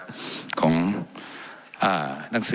ว่าการกระทรวงบาทไทยนะครับ